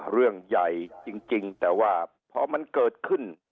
เรื่องใหญ่จริงแต่ว่าพอมันเกิดขึ้น